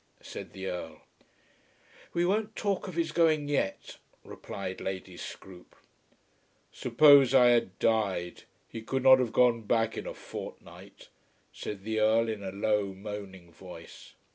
said the Earl. "We won't talk of his going yet," replied Lady Scroope. "Supposing I had died, he could not have gone back in a fortnight," said the Earl in a low moaning voice.